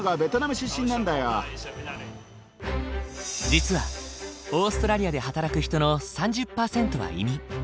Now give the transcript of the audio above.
実はオーストラリアで働く人の３０％は移民。